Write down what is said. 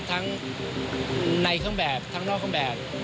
ทั้งในเครื่องแบบทั้งนอกเครื่องแบบ